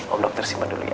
om dokter simpan dulu ya